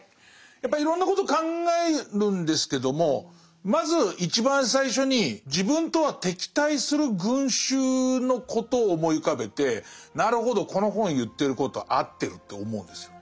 やっぱりいろんなこと考えるんですけどもまず一番最初に自分とは敵対する群衆のことを思い浮かべてなるほどこの本言ってることは合ってると思うんですよ